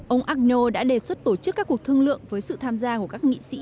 ông agno đã đề xuất tổ chức các cuộc thương lượng với sự tham gia của các nghị sĩ